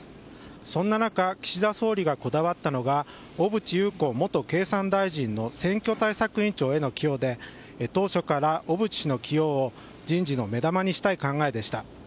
そんな中岸田総理がこだわったのが小渕優子元経産大臣の選挙対策委員長への起用で当初から小渕氏の起用を人事の目玉にしたい考えでした。